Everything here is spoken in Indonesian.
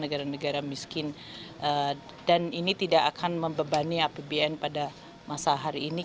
negara negara miskin dan ini tidak akan membebani apbn pada masa hari ini